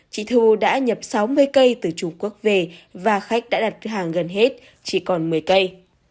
chị thu đã nhập sáu mươi cây từ trung quốc về và khách đã đặt hàng gần hết chỉ còn một mươi cây